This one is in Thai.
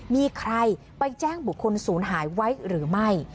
มีใครไปแจ้งบุคคลศูนย์หายไว้หรือไม่